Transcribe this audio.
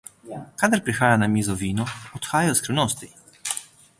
Kadar prihaja na mizo vino, odhajajo skrivnosti.